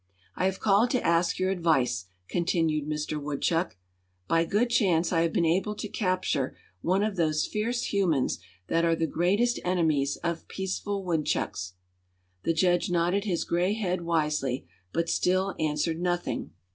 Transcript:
"I have called to ask your advice," continued Mister Woodchuck. "By good chance I have been able to capture one of those fierce humans that are the greatest enemies of peaceful woodchucks." The judge nodded his gray head wisely, but still answered nothing.